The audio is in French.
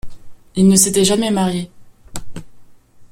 Il ne s’était jamais marié.